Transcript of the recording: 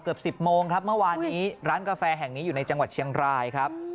เกือบ๑๐โมงครับเมื่อวานนี้ร้านกาแฟแห่งนี้อยู่ในจังหวัดเชียงรายครับ